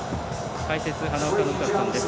解説、花岡伸和さんです。